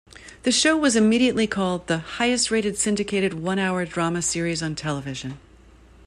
The show was immediately called the "highest-rated syndicated one-hour drama series on television".